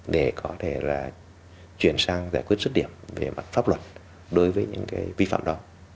để có thể là chuyển sang giải quyết xuất điểm về mặt pháp luật đối với những cái vi phạm đó